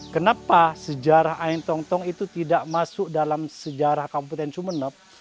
kenapa sejarah air tong tong itu tidak masuk dalam sejarah kabupaten sumeneb